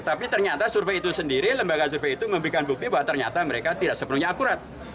tapi ternyata survei itu sendiri lembaga survei itu memberikan bukti bahwa ternyata mereka tidak sepenuhnya akurat